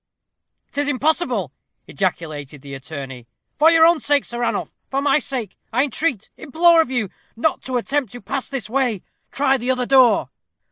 "'Tis impossible," ejaculated the attorney. "For your own sake, Sir Ranulph for my sake I entreat implore of you not to attempt to pass this way. Try the other door."